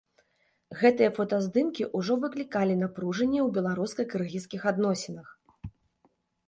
Гэтыя фотаздымкі ўжо выклікалі напружанне ў беларуска-кыргызскіх адносінах.